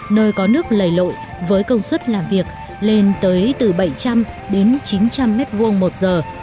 nơi có nước lầy lội với công suất làm việc lên tới từ bảy trăm linh đến chín trăm linh m hai một giờ